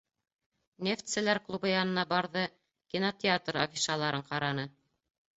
Нефтселәр клубы янына барҙы, кинотеатр афишаларын ҡараны.